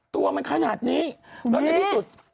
ตัวมันขนาดนี้แล้วในที่สุด